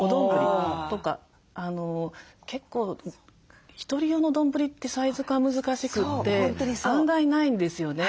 結構１人用の丼ってサイズ感難しくて案外ないんですよね。